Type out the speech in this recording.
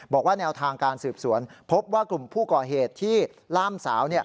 บอกว่าแนวทางการสืบสวนพบว่ากลุ่มผู้ก่อเหตุที่ล่ามสาว